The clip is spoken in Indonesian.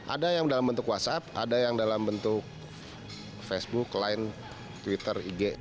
ada yang dalam bentuk whatsapp ada yang dalam bentuk facebook line twitter ig